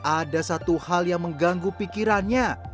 ada satu hal yang mengganggu pikirannya